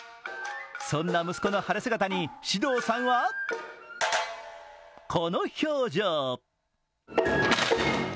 そんな息子の晴れ姿に獅童さんはこの表情。